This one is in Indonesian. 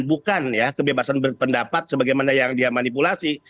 bukan ya kebebasan berpendapat sebagaimana yang dia manipulasi